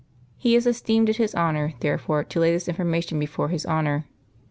He has esteemed it his duty, therefore, to lay this information before His Honour.